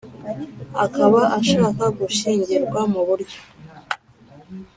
Akaba ashaka gushyingirwa mu buryo